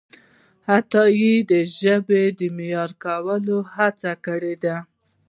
عطایي د ژبې د معیاري کولو هڅې کړیدي.